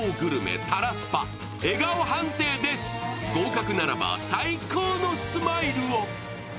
合格ならば、最高のスマイルを。